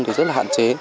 thì rất là hạn chế